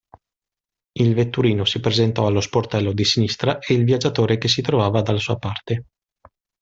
Il vetturino si presentò allo sportello di sinistra e il viaggiatore che si trovava dalla sua parte.